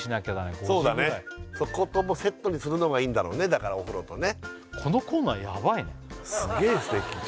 ５時ぐらいそうだねそこともうセットにするのがいいんだろうねだからお風呂とね